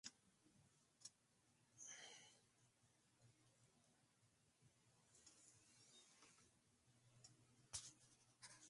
Vinculado a Gustavo Cerati y Juan "Pollo" Raffo, entre otros músicos.